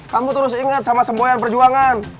kamu terus ingat sama semboyan perjuangan